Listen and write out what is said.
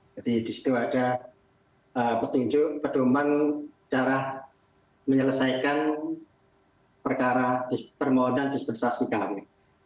di situ ada petunjuk pedoman cara menyelesaikan perkara permohonan dispensasi kami